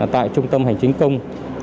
tại trung tâm hành chính công